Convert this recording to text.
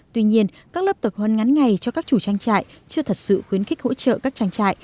tuy nhiên các lớp tập hôn ngắn ngày cho các chủ trang trại chưa thật sự khuyến khích hỗ trợ các trang trại